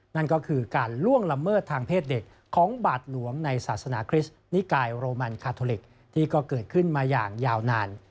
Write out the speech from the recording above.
นั่นก็คือการล่วงละเมิดทางเพศเด็กของบาทหลวงในศาสนาคริสต์นิกายโรมันคาทอลิกที่ก็เกิดขึ้นมาอย่างยาวนาน